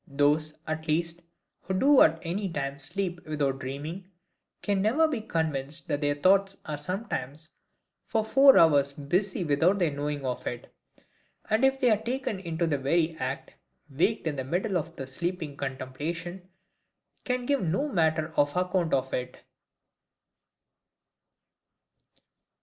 Those, at least, who do at any time SLEEP WITHOUT DREAMING, can never be convinced that their thoughts are sometimes for four hours busy without their knowing of it; and if they are taken in the very act, waked in the middle of that sleeping contemplation, can give no manner of account of it.